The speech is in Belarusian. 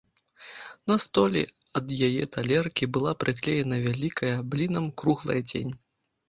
На столі ад яе талеркі была прыклеена вялікая, блінам, круглая цень.